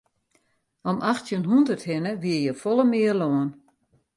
Om achttjin hûndert hinne wie hjir folle mear lân.